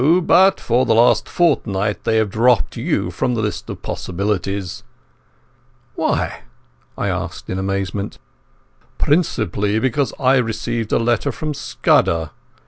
But for the last fortnight they have dropped you from the list of possibles." "Why?" I asked in amazement. "Principally because I received a letter from Scudder.